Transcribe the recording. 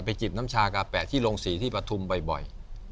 จิบน้ำชากาแปะที่โรงศรีที่ปฐุมบ่อย